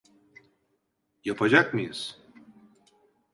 Yapacak mıyız?